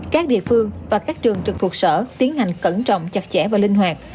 các địa phương và các trường trực thuộc sở tiến hành cẩn trọng chặt chẽ và linh hoạt